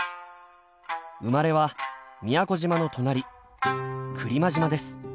生まれは宮古島の隣来間島です。